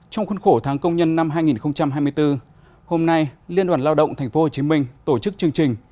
trong khuôn khổ tháng công nhân năm hai nghìn hai mươi bốn hôm nay liên đoàn lao động tp hcm tổ chức chương trình